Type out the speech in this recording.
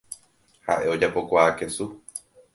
Ha’e ojapokuaa kesu.